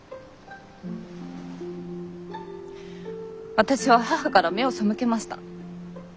私は母から目を背けました。